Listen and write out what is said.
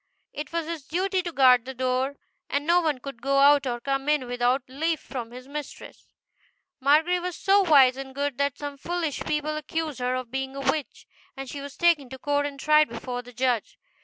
It was his duty to guard the door, and no one could go out or come in without leave from his mistress. GO. Margery was so wise and good that some foolish people accused her of being a witch, and she was taken to court and tried before the judge.